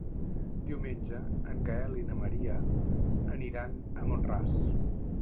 Diumenge en Gaël i na Maria aniran a Mont-ras.